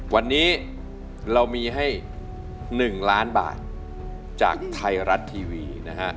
วันนี้เรามีให้๑ล้านบาทจากไทยรัฐทีวีนะฮะ